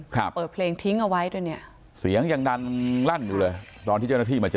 เปิดเพลงทิ้งเอาไว้ด้วยเนี้ยเสียงยังดันลั่นอยู่เลยตอนที่เจ้าหน้าที่มาเจอ